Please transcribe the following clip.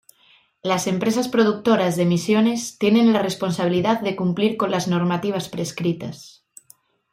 Las empresas productoras de emisiones tienen la responsabilidad de cumplir con las normativas prescritas.